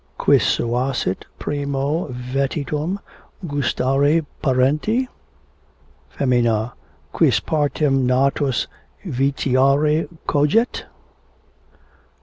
Quis suasit primo vetitum gustare parenti? Femina. Quis partem natas vitiare coegit?